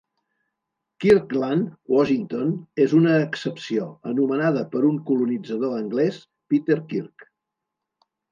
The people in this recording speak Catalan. Kirkland, Washington és una excepció, anomenada per un colonitzador anglès Peter Kirk.